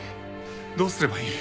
どうすればいい？